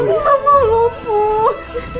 aku mau lumpuh